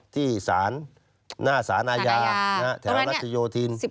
ที่หน้าสานอายาแถวรัตยโยธิน